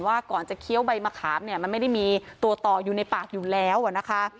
ก่อนจะเคี้ยวใบมะขามเนี่ยมันไม่ได้มีตัวต่ออยู่ในปากอยู่แล้วนะคะ